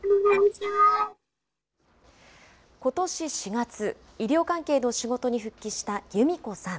ことし４月、医療関係の仕事に復帰したゆみこさん。